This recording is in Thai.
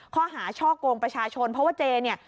ข้อหาช่อกงประชาชนเพราะว่าเจเนี่ย